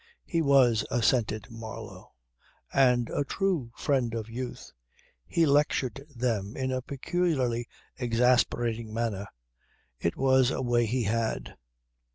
"He was," assented Marlow. "And a true friend of youth. He lectured them in a peculiarly exasperating manner. It was a way he had."